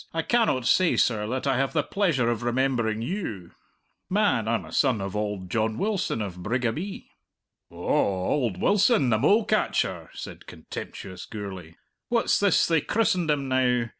"I cannot say, sir, that I have the pleasure of remembering you." "Man, I'm a son of auld John Wilson of Brigabee." "Oh, auld Wilson, the mole catcher!" said contemptuous Gourlay. "What's this they christened him now?